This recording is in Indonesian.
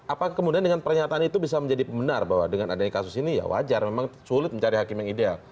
apa kemudian dengan pernyataan itu bisa menjadi pembenar bahwa dengan adanya kasus ini ya wajar memang sulit mencari hakim yang ideal